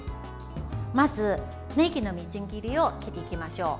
まず、ねぎのみじん切りを切っていきましょう。